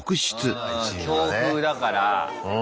うん強風だから。